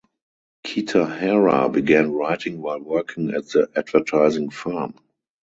Kitahara began writing while working at the advertising firm.